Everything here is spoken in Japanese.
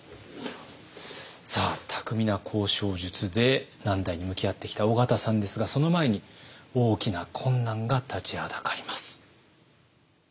さあ巧みな交渉術で難題に向き合ってきた緒方さんですがその前に大きな困難が立ちはだかります。